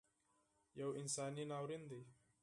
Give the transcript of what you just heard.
یو انساني ناورین دی